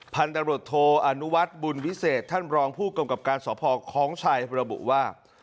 พันธรรมดโทษอนุวัติบุญวิเศษท่านบรองผู้กำกับการสอบภอกของชายบรรบุว่า